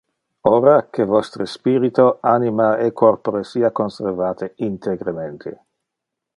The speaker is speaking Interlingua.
Ora que vostre spirito, anima, e corpore sia conservate integremente.